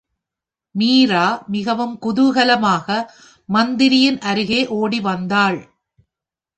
மீரா மிகவும் குதுகலமாக மந்திரியின் அருகே ஒடி வந்தாள்.